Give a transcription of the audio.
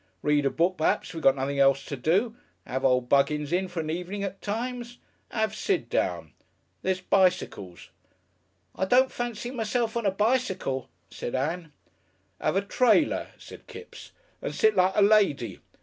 Read a book perhaps if we got nothing else to do. 'Ave old Buggins in for an evening at times. 'Ave Sid down. There's bicycles " "I don't fancy myself on a bicycle," said Ann. "'Ave a trailer," said Kipps, "and sit like a lady.